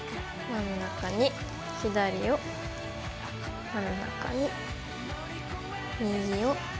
真ん中に左を真ん中に右を。